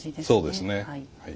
そうですね。